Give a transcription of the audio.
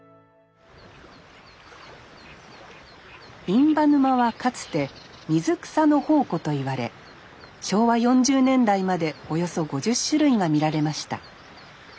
印旛沼はかつて水草の宝庫といわれ昭和４０年代までおよそ５０種類が見られました。